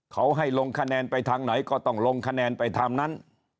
เขาให้ลงคะแนนไปทางไหนก็ต้องลงคะแนนไปทางนั้น